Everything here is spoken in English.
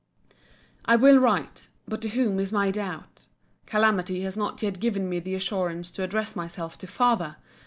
I will write. But to whom is my doubt. Calamity has not yet given me the assurance to address myself to my FATHER.